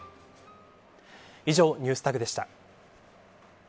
以上、ＮｅｗｓＴａｇでした。